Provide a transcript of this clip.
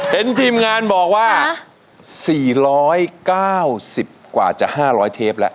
ทีมงานบอกว่า๔๙๐กว่าจะ๕๐๐เทปแล้ว